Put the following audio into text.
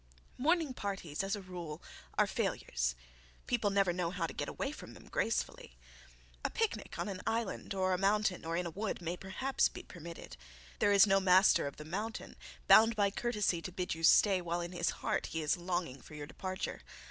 Morning parties, as a rule, are failures. People never know how to get away from them gracefully. A picnic on an island or a mountain or in a wood may perhaps be permitted. There is no master of the mountain bound by courtesy to bid you stay while in his heart he is longing for your departure.